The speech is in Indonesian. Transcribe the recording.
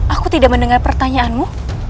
aku tidak mendengar pertanyaanmu